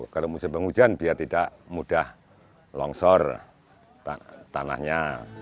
kalau musim penghujan biar tidak mudah longsor tanahnya